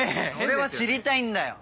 俺は知りたいんだよ！